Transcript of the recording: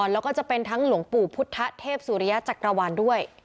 แล้วก็จะเป็นทั้งหลวงปู่พุทธเทพสุริยจักรวาลด้วย